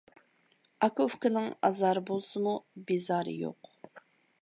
ئاكا-ئۇكىنىڭ ئازارى بولسىمۇ، بىزارى يوق.